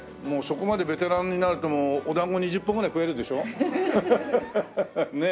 もうそこまでベテランになるとお団子２０本ぐらい食えるでしょ？